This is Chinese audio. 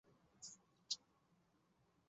乡札是以汉字记录朝鲜语的方法之一。